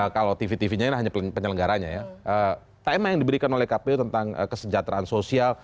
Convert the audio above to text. kalau tv tv nya ini hanya penyelenggaranya ya tema yang diberikan oleh kpu tentang kesejahteraan sosial